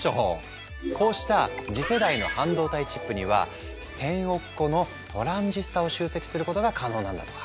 こうした次世代の半導体チップには１，０００億個のトランジスタを集積することが可能なんだとか。